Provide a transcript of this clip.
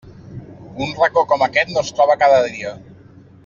Un racó com aquest no es troba cada dia.